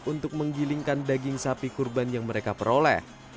untuk menggilingkan daging sapi kurban yang mereka peroleh